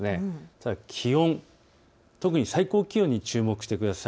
ただ気温、特に最高気温に注目してください。